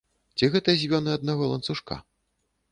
Ці гэта звёны аднаго ланцужка?